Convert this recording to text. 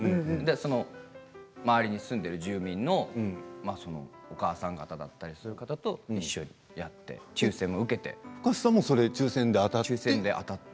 その周りに住んでいる住民のお母さん方だったりする方とＦｕｋａｓｅさんも抽せんで当たって。